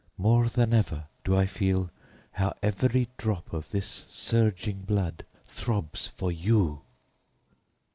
More than ever do I feel how every drop of this surging blood throbs for you.